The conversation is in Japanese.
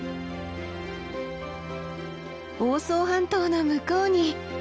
房総半島の向こうに。